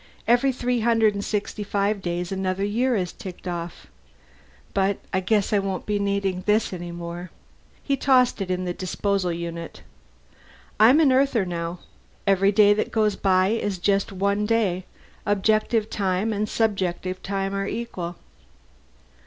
Every three hundred sixty five days another year is ticked off. But I guess I won't be needing this any more." He tossed it in the disposal unit. "I'm an Earther now. Every day that goes by is just one day; objective time and subjective time are equal."